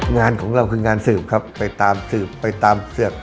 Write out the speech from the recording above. งานของเราคืองานสืบครับไปตามสืบไปตามสืบ